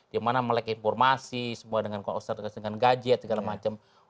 di mana melek informasi semua dengan kursus dengan gadget segala macam